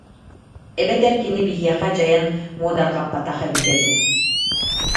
Эбэтэр кини биһиэхэ дьайан муодарҕаппатах эбитэ дуу